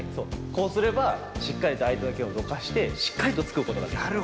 こうすればしっかりとあいてのけんをどかしてしっかりとつくことができる。